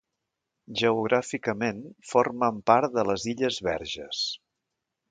Geogràficament, formen part de les illes Verges.